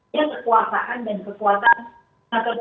ini kekuasaan dan kekuatan yang sangat